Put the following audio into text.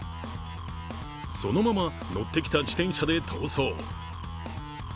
そのまま乗ってきた自転車で逃走。